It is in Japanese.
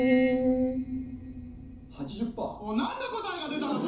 ８０％？何の答えが出たの？